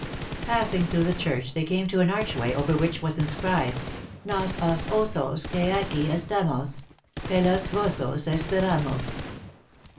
Passing through the church, they came to an arch way, over which was inscribed Nbs os ossos que aqui estamos Pdos vossos esperamos.